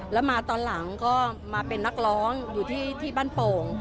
แล้วมาตอนหลังก็มาเป็นนักร้องอยู่ที่บ้านโป่ง